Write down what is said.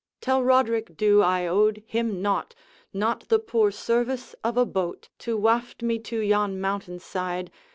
Tell Roderick Dhu I owed him naught, Not tile poor service of a boat, To waft me to yon mountain side.'